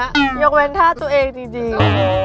ยกเว้นทาดตัวเองจริง